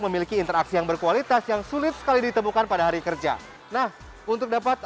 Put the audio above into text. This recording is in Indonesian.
memiliki interaksi yang berkualitas yang sulit sekali ditemukan pada hari kerja nah untuk dapat